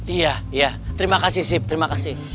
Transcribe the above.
iya iya terima kasih sip terima kasih